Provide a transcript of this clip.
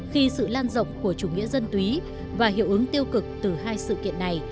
khi sự lan rộng của chủ nghĩa dân túy và hiệu ứng tiêu cực từ hai sự kiện này